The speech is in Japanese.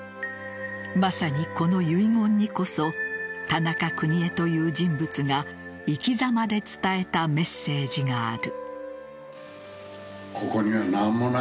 まさに、この遺言にこそ田中邦衛という人物が生きざまで伝えたメッセージがある。